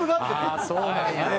ああそうなんや。